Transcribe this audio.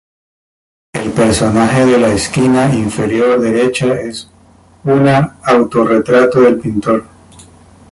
El personaje de la esquina inferior derecha es una autorretrato del pintor.